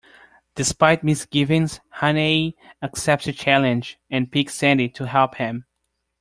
Despite misgivings, Hannay accepts the challenge, and picks Sandy to help him.